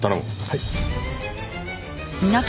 はい。